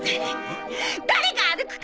誰が歩くか！